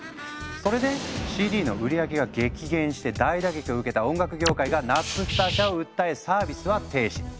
それでＣＤの売り上げが激減して大打撃を受けた音楽業界がナップスター社を訴えサービスは停止。